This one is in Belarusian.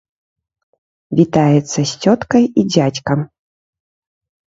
Вітаецца з цёткай і дзядзькам.